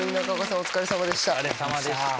お疲れさまでした。